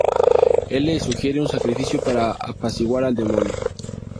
Él le sugiere un sacrificio para apaciguar al demonio.